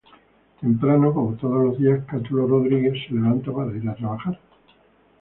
Temprano, como todos los días, Catulo Rodriguez se levanta para ir a trabajar.